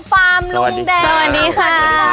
ฟาร์มลุงแดงสวัสดีค่ะ